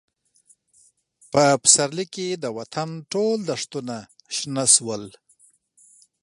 په پسرلي کې د وطن ټول دښتونه شنه شول.